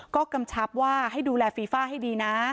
ก็กำชับว่าให้ดูแลฟีฟ่าให้ดีนะ